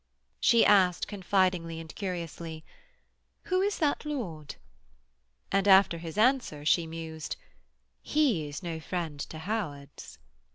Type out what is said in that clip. She asked, confidingly and curiously: 'Who is that lord?' and, after his answer, she mused, 'He is no friend to Howards.'